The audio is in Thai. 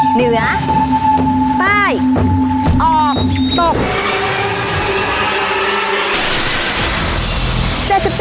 เหนือป้ายออกตก